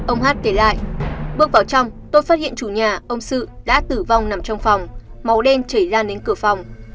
ông hát kể lại bước vào trong tôi phát hiện chủ nhà ông sự đã tử vong nằm trong phòng màu đen chảy ra đến cửa phòng